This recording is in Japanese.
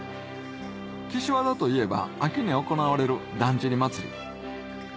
岸和田といえば秋に行われるだんじり祭り